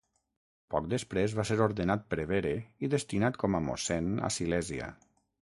Poc després va ser ordenat prevere i destinat com a mossèn a Silèsia.